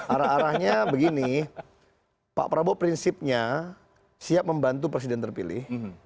arah arahnya begini pak prabowo prinsipnya siap membantu presiden terpilih